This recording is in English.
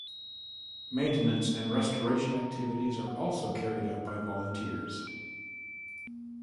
Maintenance and restoration activities are also carried out by volunteers.